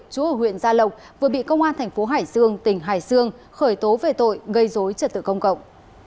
chú ở huyện gia lộc vừa bị công an tp hải sương tỉnh hải sương khởi tố về tội gây dối trật tự công cộng